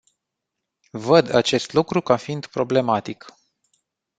Văd acest lucru ca fiind problematic.